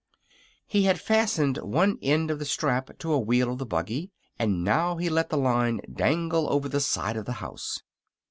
He had fastened one end of the strap to a wheel of the buggy, and now he let the line dangle over the side of the house.